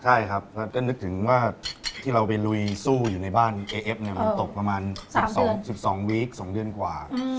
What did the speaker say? ใช่ครับแล้วก็นึกถึงว่าที่เราไปลุยสู้อยู่ในบ้านเอเอฟเนี่ยมันตกประมาณ๑๒วีค๒เดือนกว่า